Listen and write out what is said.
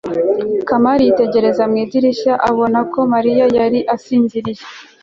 kamali yitegereza mu idirishya abona ko mariya yari asinziriye